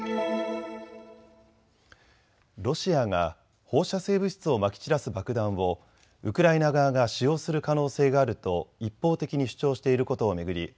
ロシアが放射性物質をまき散らす爆弾をウクライナ側が使用する可能性があると一方的に主張していることを巡り